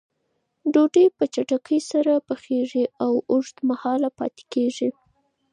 ډوډۍ په چټکۍ سره پخیږي او اوږد مهاله پاتې کېږي.